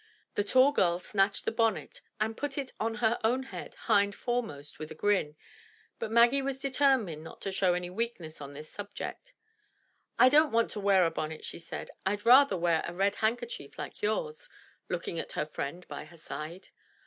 The tall girl snatched the bonnet and put it on her own head hind foremost with a grin; but Maggie was determined not to show any weakness on this subject. "I don't want to wear a bonnet," she said; "Fd rather wear a red handkerchief, like yours (looking at her friend by her side).